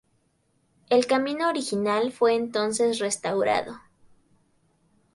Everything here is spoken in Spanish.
El camino original fue entonces restaurado.